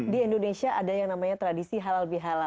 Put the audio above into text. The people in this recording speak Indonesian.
di indonesia ada yang namanya tradisi halal bihalal